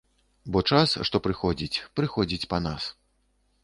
Бо час, што прыходзіць, прыходзіць па нас.